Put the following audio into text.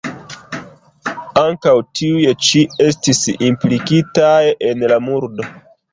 Ankaŭ tiuj ĉi estis implikitaj en la murdo.